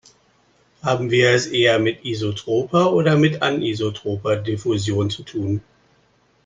Haben wir es eher mit isotroper oder mit anisotroper Diffusion zu tun?